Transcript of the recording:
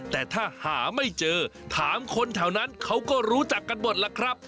แต่ถ้าหาไม่เจอถามคนแถวนั้นเขาก็รู้จักกันหมดล่ะครับ